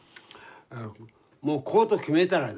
もうこうと決めたらですね